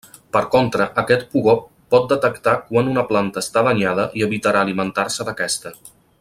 Per contra, aquest pugó pot detectar quan una planta està danyada i evitarà alimentar-se d'aquesta.